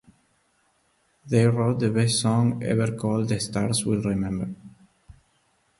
They wrote the best song ever called The Stars Will Remember.